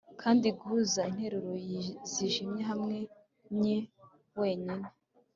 kandi, guhuza interuro zijimye hamwe nye wenyine